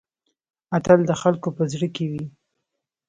اتل د خلکو په زړه کې وي